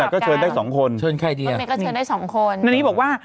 แต่คุณก็เชิญได้สองคนเชิญใครเดียวมันก็เชิญได้สองคน